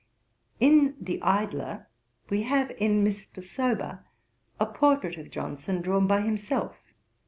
In The Idler, No. 31, we have in Mr. Sober a portrait of Johnson drawn by himself.